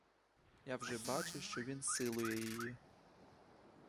Я вже бачу, що він силує її.